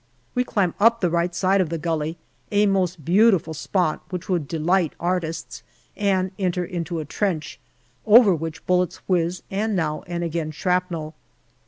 We climb up the right side of the gully a most beautiful spot, which would delight artists and enter into a trench, over which bullets whiz, and now and again shrapnel.